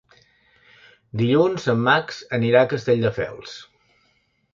Dilluns en Max anirà a Castelldefels.